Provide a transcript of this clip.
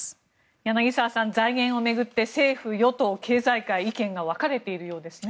柳澤さん、財源を巡って政府・与党、経済界意見が分かれているようですね。